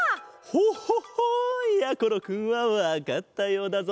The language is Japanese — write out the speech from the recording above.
ホホホ！やころくんはわかったようだぞ。